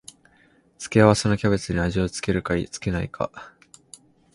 付け合わせのキャベツに味を付けるか付けないか